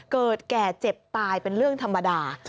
แก่เจ็บตายเป็นเรื่องธรรมดา